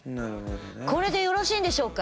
これでよろしいんでしょうか？